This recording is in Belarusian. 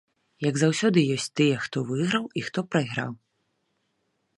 Як заўсёды, ёсць тыя, хто выйграў і хто прайграў.